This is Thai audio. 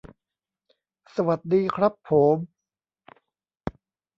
สวัสดีครับโผม